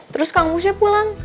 terus kang musnya pulang